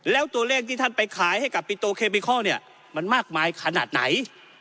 แล้วตัวเลขที่ท่านไปขายให้กับปิโตเคมิคอลเนี่ยมันมากมายขนาดไหน